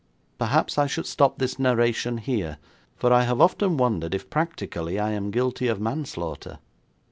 Perhaps I should stop this narration here, for I have often wondered if practically I am guilty of manslaughter.